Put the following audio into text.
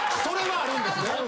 それはあるんですね。